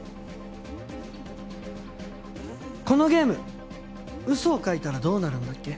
このゲーム嘘を書いたらどうなるんだっけ？